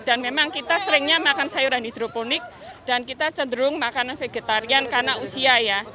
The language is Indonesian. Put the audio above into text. dan memang kita seringnya makan sayuran hidroponik dan kita cenderung makanan vegetarian karena usia ya